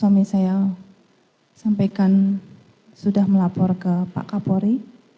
suami saya sampaikan sudah melapor ke pak kapolri